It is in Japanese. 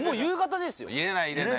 入れない入れない。